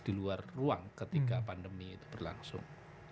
di luar ruang ketika pandemi itu berlangsung